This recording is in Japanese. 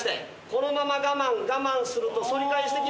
このまま我慢我慢すると反り返してきます。